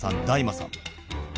大間さん。